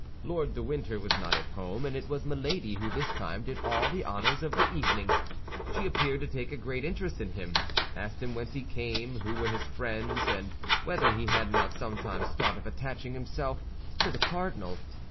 Lord de Winter was not at home; and it was Milady who this time did all the honors of the evening. She appeared to take a great interest in him, asked him whence he came, who were his friends, and whether he had not sometimes thought of attaching himself to the cardinal.